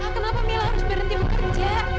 kenapa mila harus berhenti bekerja